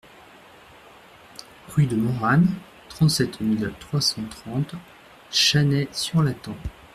Rue de Moranne, trente-sept mille trois cent trente Channay-sur-Lathan